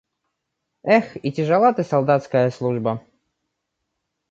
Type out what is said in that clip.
– Эх, и тяжела ты, солдатская служба!